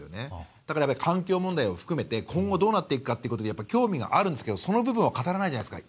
だから、環境問題を含めて今後どうなっていくかに興味があるんですけどその部分を語らないじゃないですか。